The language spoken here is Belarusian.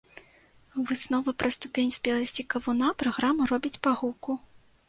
Выснову пра ступень спеласці кавуна праграма робіць па гуку.